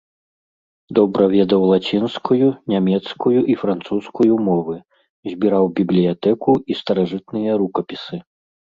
Добра ведаў лацінскую, нямецкую і французскую мовы, збіраў бібліятэку і старажытныя рукапісы.